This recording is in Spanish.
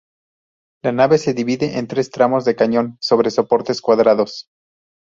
La nave se divide en tres tramos de cañón sobre soportes cuadrados.